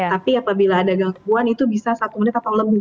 tapi apabila ada gangguan itu bisa satu menit atau lebih